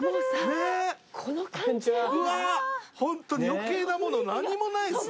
ホントに余計なもの何もないですね。